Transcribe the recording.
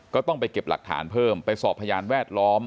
ก็ต้องไปเก็บหลักฐานเพิ่มไปสอบพยานแวดล้อม